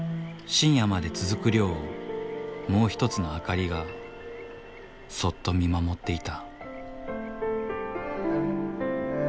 深夜まで続く漁をもう一つの明かりがそっと見守っていた。